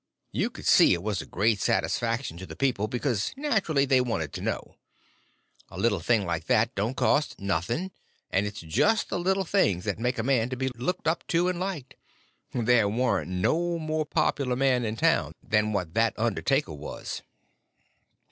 You could see it was a great satisfaction to the people, because naturally they wanted to know. A little thing like that don't cost nothing, and it's just the little things that makes a man to be looked up to and liked. There warn't no more popular man in town than what that undertaker was.